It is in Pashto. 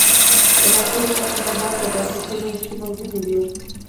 د ناصر حکومت پر مهال د بنسټونو نښې موجودې وې.